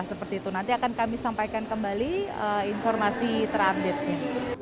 seperti itu nanti akan kami sampaikan kembali informasi terupdate nya